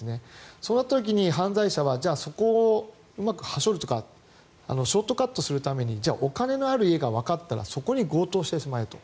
その時に、犯罪者はそこをうまくはしょるというかショートカットするためにお金のある家がわかったらそこに強盗してしまえと。